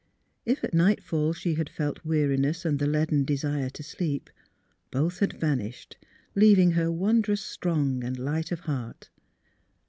If at night fall she had felt weariness and the leaden desire to sleep, both had vanished, leaving her wondrous strong and light of heart.